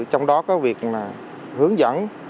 trong đó có việc là hướng dẫn